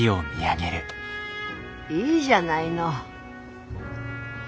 いいじゃないの。